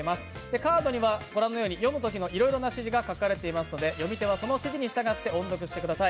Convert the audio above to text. カードにはご覧のように、読むときのいろいろな指示が書かれていますので、読み手は、その指示に従って音読してください。